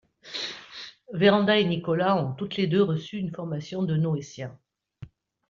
Vérand’a et Nicolas ont toutes les deux reçu une formation de noétiens.